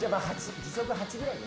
時速８ぐらいで。